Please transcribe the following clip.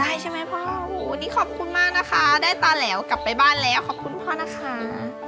ใช่ไหมพ่อวันนี้ขอบคุณมากนะคะได้ตาแหลวกลับไปบ้านแล้วขอบคุณพ่อนะคะ